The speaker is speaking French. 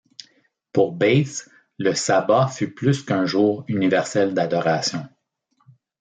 Pour Bates, le sabbat fut plus qu'un jour universel d'adoration.